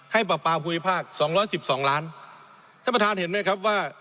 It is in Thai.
ปรับปลาภูมิภาคสองร้อยสิบสองล้านท่านประธานเห็นไหมครับว่า